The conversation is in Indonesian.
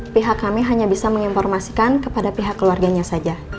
pihak kami hanya bisa menginformasikan kepada pihak keluarganya saja